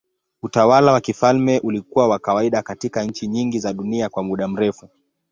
Utawala wa kifalme ulikuwa wa kawaida katika nchi nyingi za dunia kwa muda mrefu.